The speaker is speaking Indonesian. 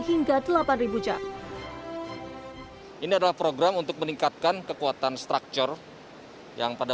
hingga delapan ribu cak ini adalah program untuk meningkatkan kekuatan structure yang pada